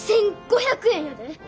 １，５００円やで。